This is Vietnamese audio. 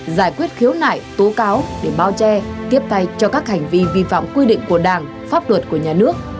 giải quyết khiếu nại tố cáo để bao che tiếp tay cho các hành vi vi phạm quy định của đảng pháp luật của nhà nước